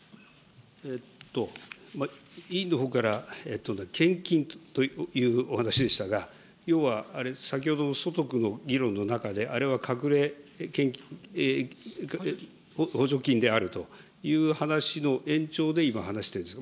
委員のほうから献金というお話でしたが、要はあれ、先ほどの所得の議論の中であれは隠れ補助金であるという話の延長で今、話してるんです。